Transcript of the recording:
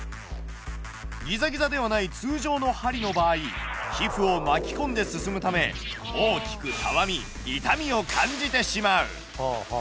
ギザギザではない通常の針の場合皮膚を巻き込んで進むため大きくたわみ痛みを感じてしまう。